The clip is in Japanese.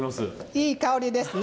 いい香りですね。